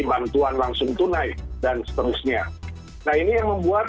dan juga bantuan langsung tunai dan seterusnya